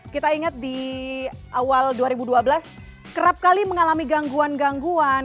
kita ingat di awal dua ribu dua belas kerap kali mengalami gangguan gangguan